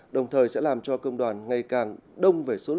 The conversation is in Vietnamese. đồng thời sẽ làm cho công đoàn ngày càng đông